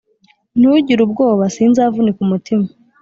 ntugire ubwoba sinzavunika umutima